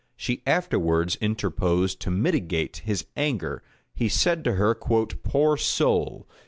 She afterwards interposed to mitigate his anger: he said to her, "Poor soul!